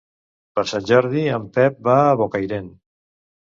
Per Sant Jordi en Pep va a Bocairent.